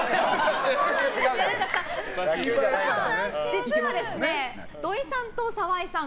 実は、土井さんと澤井さん